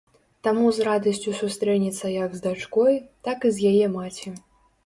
Таму з радасцю сустрэнецца як з дачкой, так і з яе маці.